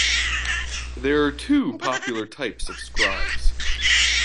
There are two popular types of scribes.